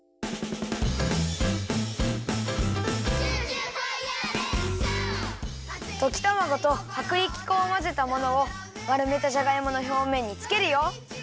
「ジュージューファイヤーレッツシャオ」ときたまごとはくりき粉をまぜたものをまるめたじゃがいものひょうめんにつけるよ。